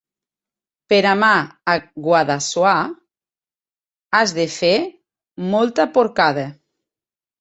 Per amar a Guadassuar has de fer molta porcada.